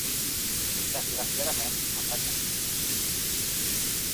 Desgraciadament em vaig equivocar.